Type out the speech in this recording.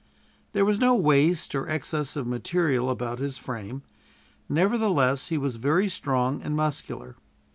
There was no waste or excess of material about his frame; nevertheless, he was very strong and muscular.